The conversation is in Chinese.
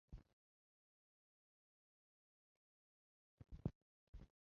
许多柏拉图撰写的对话录都参杂了人为成分。